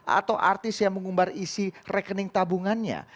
atau artis yang mengumbar isi rekening tabungannya